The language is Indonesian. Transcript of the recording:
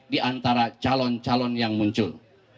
di antara calon calon yang muncul